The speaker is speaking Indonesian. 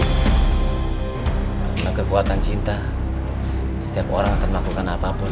karena kekuatan cinta setiap orang akan melakukan apapun